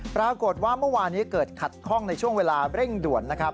ปรากฏว่าเมื่อวานี้เกิดขัดข้องในช่วงเวลาเร่งด่วนนะครับ